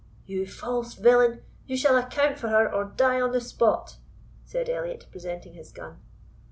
"You false villain, you shall account for her, or die on the spot," said Elliot, presenting his gun.